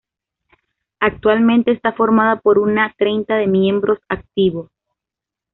Actualmente está formada por una treintena de miembros activos.